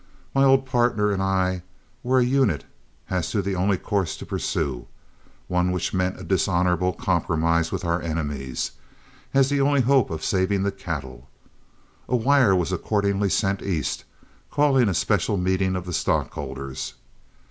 My old partner and I were a unit as to the only course to pursue, one which meant a dishonorable compromise with our enemies, as the only hope of saving the cattle. A wire was accordingly sent East, calling a special meeting of the stockholders.